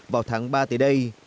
vào tháng ba tới đây